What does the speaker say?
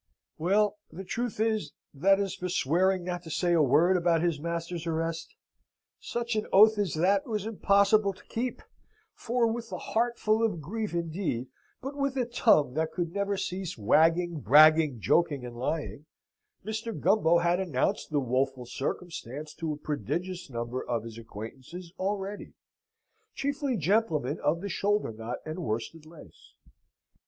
Well, the truth is, that as for swearing not to say a word about his master's arrest such an oath as that was impossible to keep for, with a heart full of grief, indeed, but with a tongue that never could cease wagging, bragging, joking, and lying, Mr. Gumbo had announced the woeful circumstance to a prodigious number of his acquaintances already, chiefly gentlemen of the shoulder knot and worsted lace.